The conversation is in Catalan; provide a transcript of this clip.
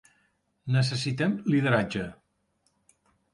Necessitem lideratge.